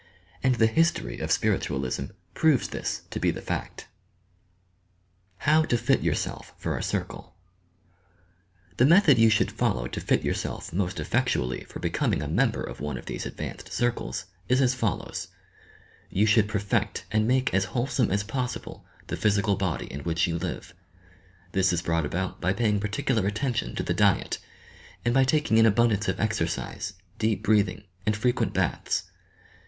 And the history of Spiritualism proves this to be the fact." HOW TO FIT TOURSELP FOR A CIRCLE The method you should follow to fit yourself most effectually for becoming a member of one of these ad vanced circles is as follows: You should perfect and make as wholesome as possible the physical body in which you live ; this is brought about by paying particu lar attention to the diet, and by taking an abundance of exercise, deep breathing and frequent baths.